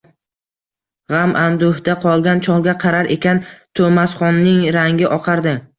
G’am-anduhda qolgan cholga qarar ekan, To’masxonning rangi oqardi.